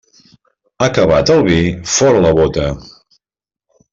Acabat el vi, fora la bóta.